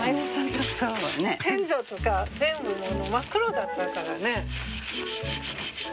天井とか全部真っ黒だったからね。